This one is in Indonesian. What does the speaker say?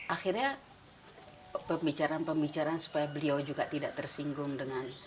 akhirnya pembicaraan pembicaraan supaya beliau juga tidak tersinggung dengan